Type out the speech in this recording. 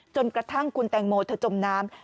จนกระทั่งคุณแตงโมเธอจมน้ำ